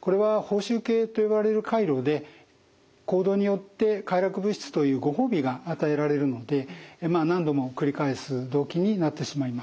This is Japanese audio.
これは報酬系と呼ばれる回路で行動によって快楽物質というご褒美が与えられるので何度も繰り返す動機になってしまいます。